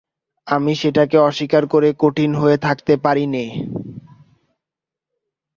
আমি সেটাকে অস্বীকার করে কঠিন হয়ে থাকতে পারি নে।